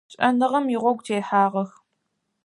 Шӏэныгъэм игъогу техьагъэх.